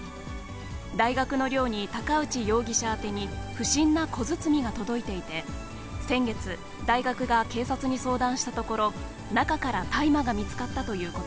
大学の寮に高内容疑者宛てに不審な小包が届いていて、先月、大学が警察に相談したところ、中から大麻が見つかったというこ